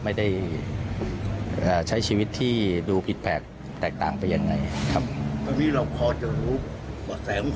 ไม่ได้ใช้ชีวิตที่ดูผิดแผลกแตกต่างไปยังไงครับ